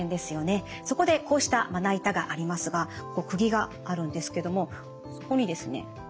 そこでこうしたまな板がありますがくぎがあるんですけどもそこにですね